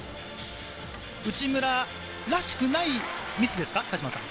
内村らしくないミスですか？